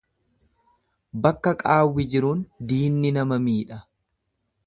Bakka qaawwi jiruun diinni nama miidha.